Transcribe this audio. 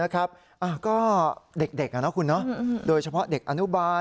ก็เด็กคุณเนอะโดยเฉพาะเด็กอนุบาล